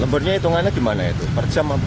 lembunnya hitungannya gimana itu per jam apa gimana